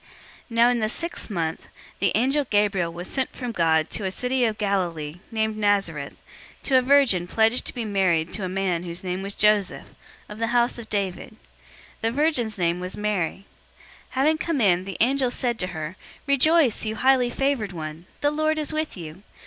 001:026 Now in the sixth month, the angel Gabriel was sent from God to a city of Galilee, named Nazareth, 001:027 to a virgin pledged to be married to a man whose name was Joseph, of the house of David. The virgin's name was Mary. 001:028 Having come in, the angel said to her, "Rejoice, you highly favored one! The Lord is with you.